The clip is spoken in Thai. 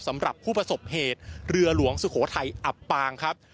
สำหรับผู้ประสบเหตุเรือหลวงสุโขทัยอับปางครับ